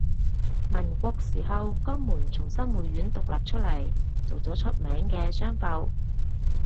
民國時候江門從新會縣獨立出嚟做咗出名嘅商埠